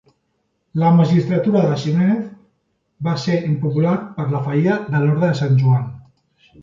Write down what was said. La magistratura de Ximenez va ser impopular per la fallida de l'Orde de Sant Joan.